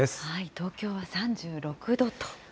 東京は３６度と。